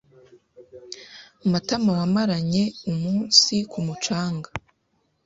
Matamawamaranye umunsi ku mucanga.